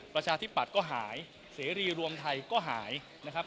ประชาธิปัตย์ก็หายเสรีรวมไทยก็หายนะครับ